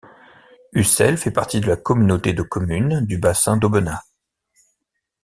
Ucel fait partie de la communauté de communes du Bassin d'Aubenas.